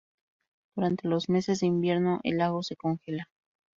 Durante los meses de invierno, el lago se congela.